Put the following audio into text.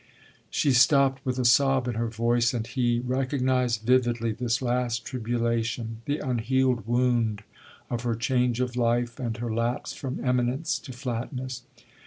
She stopped with a sob in her voice and he recognised vividly this last tribulation, the unhealed wound of her change of life and her lapse from eminence to flatness.